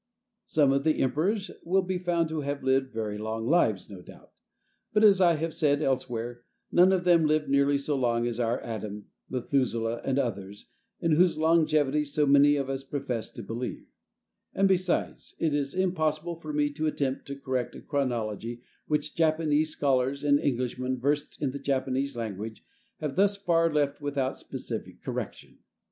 _ Some of the emperors will be found to have lived very long lives, no doubt; but as I have said elsewhere, none of them lived nearly so long as our Adam, Methuselah, and others, in whose longevity so many of us profess to believe; and besides, it is impossible for me to attempt to correct a chronology which Japanese scholars, and Englishmen versed in the Japanese language, have thus far left without specific correction.